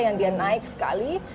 yang dia naik sekali